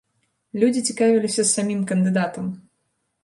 Людзі цікавіліся самім кандыдатам.